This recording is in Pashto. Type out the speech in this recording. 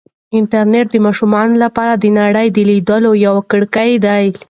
انټرنیټ د ماشومانو لپاره د نړۍ د لیدلو یوه کړکۍ ده.